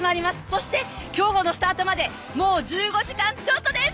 そして競歩のスタートまであと１５時間ちょっとです。